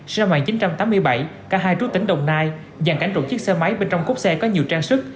sinh năm một nghìn chín trăm tám mươi bảy cả hai trú tỉnh đồng nai dàn cảnh trộm chiếc xe máy bên trong cốp xe có nhiều trang sức